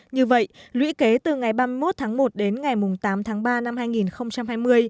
như vậy lũy kế từ ngày ba mươi một tháng một đến ngày tám tháng ba năm hai nghìn hai mươi